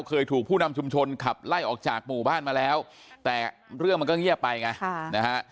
เคยถูกผู้นำชุมชนขับไล่ออกจากหมู่บ้านมาแล้วแต่เรื่องมันก็เงียบไปไงนะฮะ